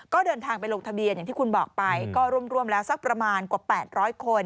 ก็เดินทางไปลงทะเบียนอย่างที่คุณบอกไปก็ร่วมแล้วสักประมาณกว่า๘๐๐คน